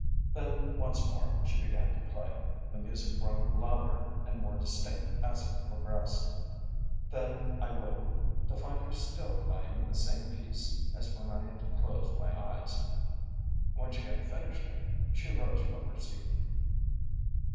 Then once more she began to play, the music growing louder and more distinct as it progressed. Then I woke, to find her still playing the same piece as when I had closed my eyes. When she had finished it, she rose from her seat.